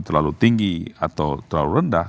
terlalu tinggi atau terlalu rendah